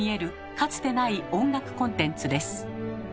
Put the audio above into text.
かつてない音楽コンテンツです。